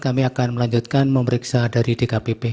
kami akan melanjutkan memeriksa dari dikarenakan tempat ini